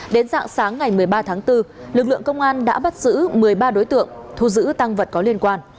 đến dạng sáng ngày một mươi ba tháng bốn lực lượng công an đã bắt giữ một mươi ba đối tượng thu giữ tăng vật có liên quan